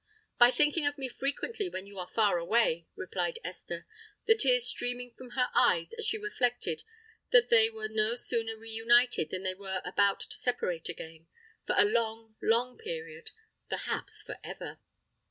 "By thinking of me frequently when you are far away," replied Esther, the tears streaming from her eyes as she reflected that they were no sooner re united than they were about to separate again—for a long, long period—perhaps for ever!